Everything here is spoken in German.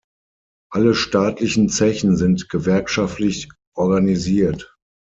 Alle staatlichen Zechen sind gewerkschaftlich organisiert.